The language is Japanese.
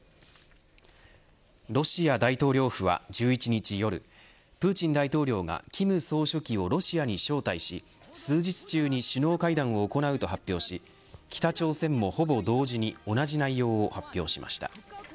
ロシア大統領府は１１日夜プーチン大統領が金総書記をロシアに招待し数日中に首脳会談を行うと発表し北朝鮮もほぼ同時に同じ内容を発表しました。